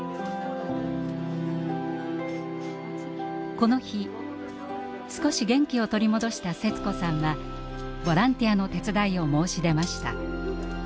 この日少し元気を取り戻したセツ子さんはボランティアの手伝いを申し出ました。